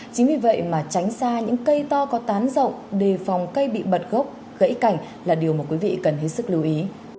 chính vì vậy mà tránh xa những cây to có tán rộng đề phòng cây bị bật gốc gãy cảnh là điều mà quý vị cần hết sức lưu ý